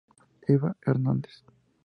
Eva Hernández.